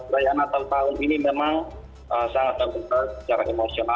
raya natal tahun ini memang sangat membekas secara emosi